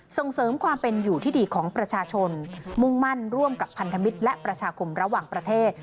ส่งเสริมความเป็นอยู่ที่ดีของประชาชนมุ่งมั่นร่วมกับพันธมิตรและประชาคมระหว่างประเทศ